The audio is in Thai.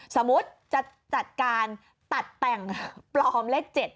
สมมุติจะจัดการตัดแต่งปลอมเลข๗